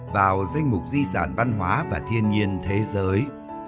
vào danh mục di sản văn hóa và thiên nhiên thế giới